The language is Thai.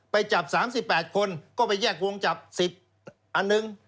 ไปจับ๓๘คนก็ไปแยกวงจับสิทธิ์อันหนึ่ง